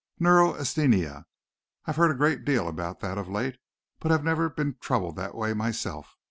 "Neurasthenia. I've heard a great deal about that of late, but have never been troubled that way myself.